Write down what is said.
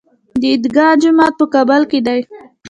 د عیدګاه جومات په کابل کې دی